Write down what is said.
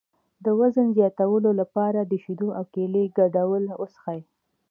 د وزن زیاتولو لپاره د شیدو او کیلې ګډول وڅښئ